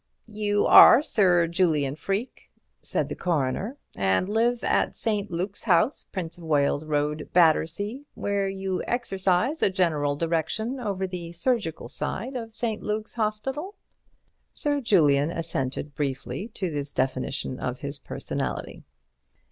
"You are Sir Julian Freke," said the Coroner, "and live at St. Luke's House, Prince of Wales Road, Battersea, where you exercise a general direction over the surgical side of St. Luke's Hospital?" Sir Julian assented briefly to this definition of his personality.